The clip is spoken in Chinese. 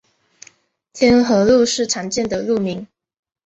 天河路是常见的路名。